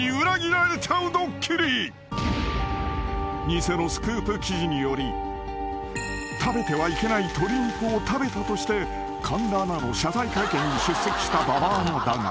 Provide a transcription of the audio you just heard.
［偽のスクープ記事により食べてはいけない鳥肉を食べたとして神田アナの謝罪会見に出席した馬場アナだが］